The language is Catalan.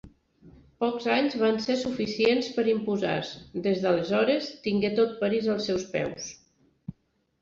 Pocs anys van ser suficients per imposar-se: des d'aleshores, tingué tot París als seus peus.